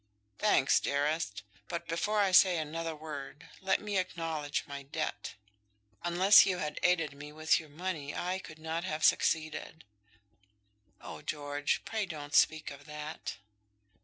"Thanks, dearest. But before I say another word, let me acknowledge my debt. Unless you had aided me with your money, I could not have succeeded." "Oh, George! pray don't speak of that!"